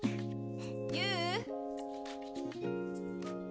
ユウ！